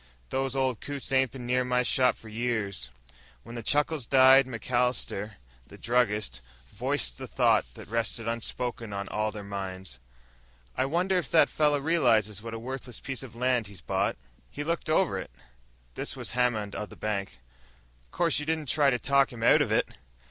"Those old coots ain't been near my shop for years." When the chuckles died, MacAllister, the druggist, voiced the thought that rested unspoken on all their minds. "I wonder if that fellow realizes what a worthless piece of land he's bought." "He looked it over." This was Hammond, of the bank. "'Course, you didn't try to talk him out of it!"